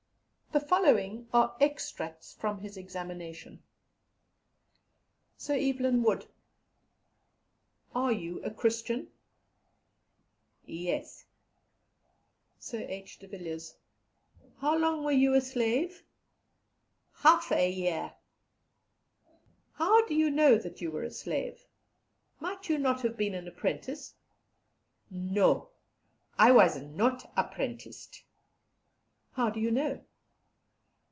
The following are extracts from his examination: "(Sir Evelyn Wood.) Are you a Christian? Yes. "(Sir H. de Villiers.) How long were you a slave? Half a year. "How do you know that you were a slave? Might you not have been an apprentice? No, I was not apprenticed. "How do you know?